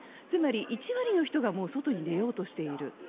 つまり１割の人がもう外に出ようとしている。